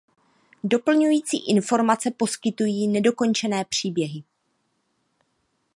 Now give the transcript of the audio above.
Doplňující informace poskytují "Nedokončené příběhy".